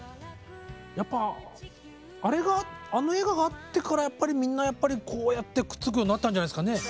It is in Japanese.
やっぱあの映画があってからやっぱりみんなやっぱりこうやってくっつくようになったんじゃないすかね。